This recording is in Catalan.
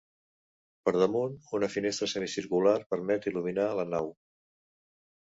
Per damunt, una finestra semicircular permet il·luminar la nau.